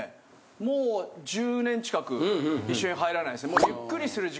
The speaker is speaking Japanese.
もう１０年近く一緒に入らないですね。